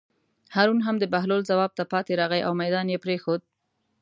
هارون هم د بهلول ځواب ته پاتې راغی او مېدان یې پرېښود.